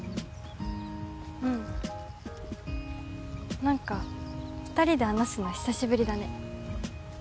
うん何か２人で話すの久しぶりだね